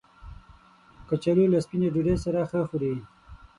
کچالو له سپینې ډوډۍ سره ښه خوري